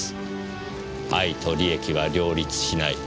愛と利益は両立しない。